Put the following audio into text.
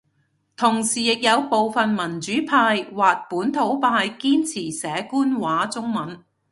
同時亦有部份民主派或本土派堅持寫官話中文